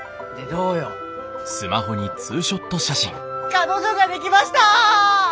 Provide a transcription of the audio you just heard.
彼女ができました！